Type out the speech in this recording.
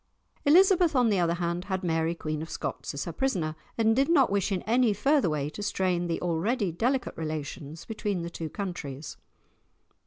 Elizabeth, on the other hand, had Mary Queen of Scots as her prisoner, and did not wish in any further way to strain the already delicate relations between the two countries.